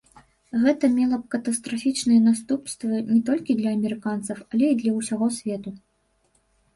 Гэта мела б катастрафічныя наступствы не толькі для амерыканцаў, але і для ўсяго свету.